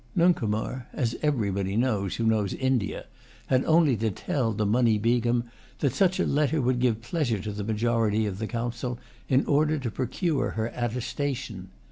Nuncomar, as everybody knows who knows India, had only to tell the Munny Begum that such a letter would give pleasure to the majority of the Council, in order to procure her attestation.